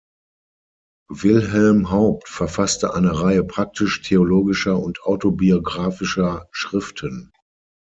Wilhelm Haupt verfasste eine Reihe praktisch-theologischer und autobiographischer Schriften.